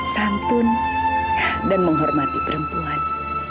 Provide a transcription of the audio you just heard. santun dan menghormati perempuan